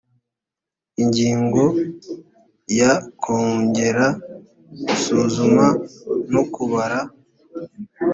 ingingo ya kongera gusuzuma no kubara